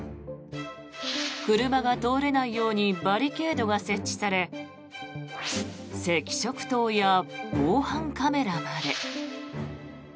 車が通れないようにバリケードが設置され赤色灯や防犯カメラまで。